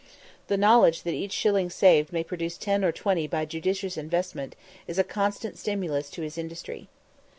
The knowledge that each shilling saved may produce ten or twenty by judicious investment is a constant stimulus to his industry.